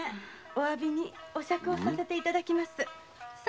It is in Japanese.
お詫びにお酌をさせていただきます。